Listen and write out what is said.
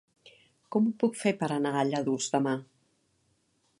Com ho puc fer per anar a Lladurs demà?